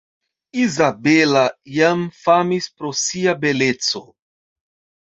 Izabela jam famis pro sia beleco.